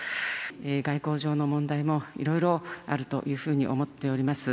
外交上の問題もいろいろあるというふうに思っております。